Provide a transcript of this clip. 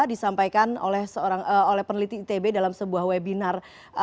disampaikan oleh peneliti itb dalam sebuah webinar